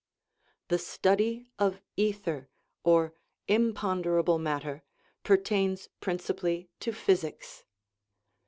The study of ether, or imponderable matter, per tains principally to physics.